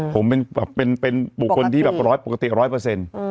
ผมเป็นบุคคลที่ปกติแบบ๑๐๐